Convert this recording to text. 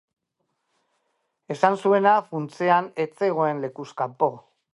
Esan zuena, funtsean, ez zegoen lekuz kanpo.